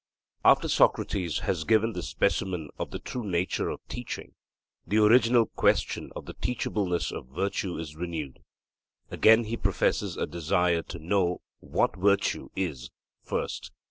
After Socrates has given this specimen of the true nature of teaching, the original question of the teachableness of virtue is renewed. Again he professes a desire to know 'what virtue is' first.